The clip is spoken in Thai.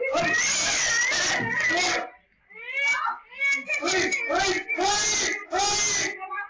กี้มน้ำกล้องให้น้อยพี่